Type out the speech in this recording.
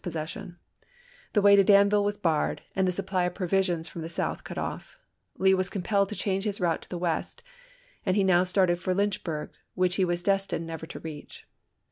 and Danville roads, was in Grant's possession ; the way to Danville was barred, and the supply of pro visions from the south cut off. Lee was compelled to change his route to the west ; and he now started for Lynchburg, which he was destined never to reach.